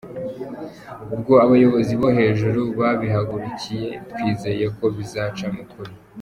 Ubwo abayobozi bo hejuru babihagurukiye twizeye ko bizaca mukuri.